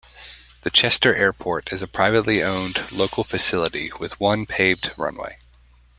The Chester Airport is a privately owned local facility with one paved runway.